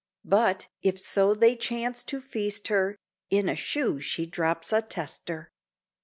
But, if so they chance to feast her, In a shoe she drops a tester.